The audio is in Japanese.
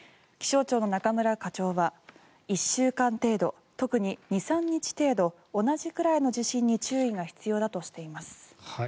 気象庁の中村課長は１週間程度、特に２３日程度同じくらいの地震に注意が必要だとしています。